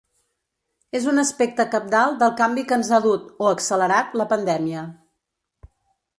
És un aspecte cabdal del canvi que ens ha dut –o accelerat– la pandèmia.